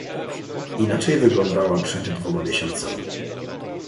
"Inaczej wyglądała przed dwoma miesiącami."